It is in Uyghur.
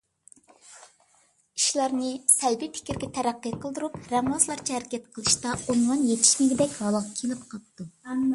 ئىشلارنى سەلبىي پىكىرگە تەرەققى قىلدۇرۇپ رەڭۋازلارچە ھەرىكەت قىلىشتا ئۇنۋان يېتىشمىگىدەك ھالغا كېلىپ قاپتۇ.